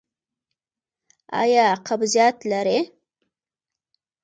ایا قبضیت لرئ؟